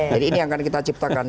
jadi ini yang akan kita ciptakan